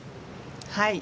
はい。